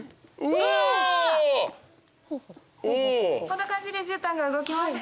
こんな感じでじゅうたんが動きます。